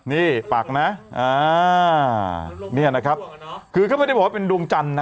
นี่ปักนะเนี่ยนะครับคือก็ไม่ได้บอกว่าเป็นดวงจันทร์นะ